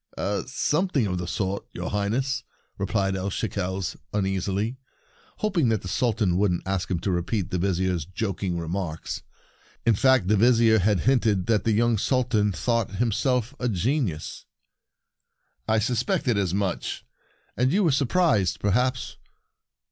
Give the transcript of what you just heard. " Something of the sort, your Highness," replied El Shekels uneasily, hoping that the Sul tan wouldn't ask him to repeat the Vizier's joking remarks. In fact, the Vizier had hinted that the young Sultan thought him self a genius. "I suspected as much," said the Sultan. "And you were surprised, perhaps?"